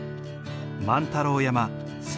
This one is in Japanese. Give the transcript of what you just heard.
万太郎山仙